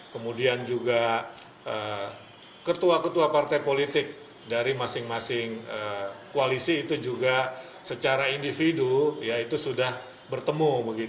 kemudian juga ketua ketua partai politik dari masing masing koalisi itu juga secara individu sudah bertemu